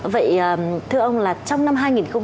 vậy thưa ông là trong năm hai nghìn một mươi chín